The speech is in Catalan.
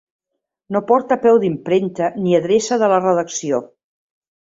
No porta peu d'impremta ni adreça de la redacció.